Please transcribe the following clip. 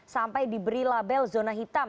sampai diberi label zona hitam